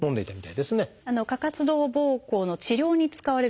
過活動ぼうこうの治療に使われる薬